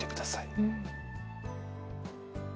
うん。